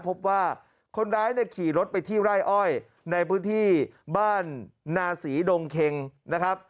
พบว่าคนร้ายเนี่ยขี่รถไปที่ไร่อ้อยในพื้นที่บ้านนาศรีดงเค็งนะครับ